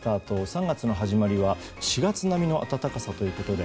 ３月の始まりは４月並みの暖かさということで